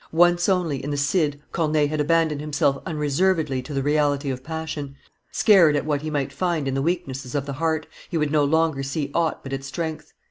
"Once only, in the Cid, Corneille had abandoned himself unreservedly to the reality of passion; scared at what he might find in the weaknesses of the heart, he would no longer see aught but its strength.